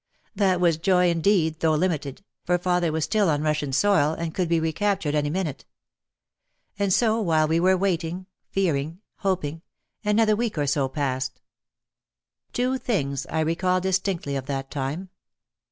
That was joy indeed though limited, for father was still on Russian soil and could be recaptured any minute. And so while we were waiting, fearing, hoping, another week or so passed. Two things I recall distinctly of that time.